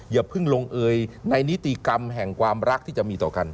อย่าเพิ่งลงเอยในนิติกรรมแห่งความรักที่จะมีต่อกัน